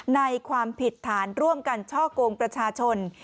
ความผิดฐานร่วมกันช่อกงประชาชน